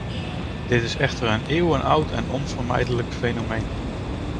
Dit is echter een eeuwenoud en onvermijdelijk fenomeen.